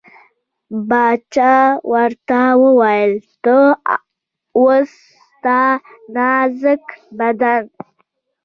باچا ورته وویل ته او ستا نازک بدن.